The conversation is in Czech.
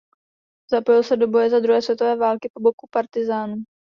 Zapojil se do boje za druhé světové války po boku partyzánů.